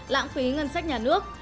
lãng phí ngân sách nhà nước